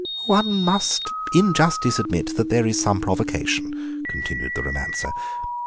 "One must in justice admit that there is some provocation," continued the romancer.